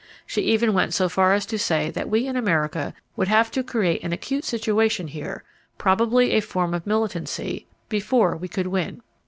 She even went so far as to say that we in America would have to create an acute situation here, probably a form of militancy, before we could win.